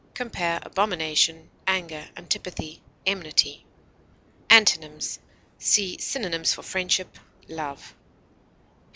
Compare ABOMINATION; ANGER; ANTIPATHY; ENMITY. Antonyms: See synonyms for FRIENDSHIP; LOVE.